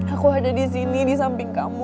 aku ada disini disamping kamu